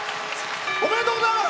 おめでとうございます。